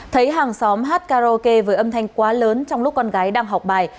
thấy hàng xóm hát karaoke với âm thanh quá lớn trong lúc con gái đang học bài